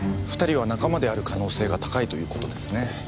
２人は仲間である可能性が高いという事ですね。